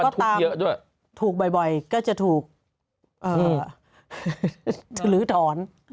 ทำรายการอยู่เหรอ๓๕๖